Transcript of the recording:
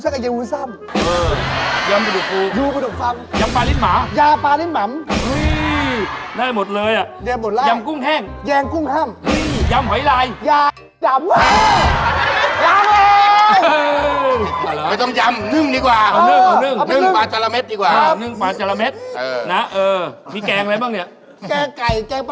แก้ไก่แก้ปะไหลผัดหมีฟ้าสะแป่นฉูชิแก๊กะริโป๊ะแก้